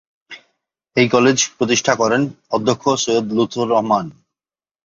এই কলেজ প্রতিষ্ঠা করেন অধ্যক্ষ সৈয়দ লুৎফর রহমান।